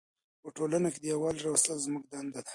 په ټولنه کې د یووالي راوستل زموږ دنده ده.